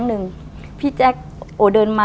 อืม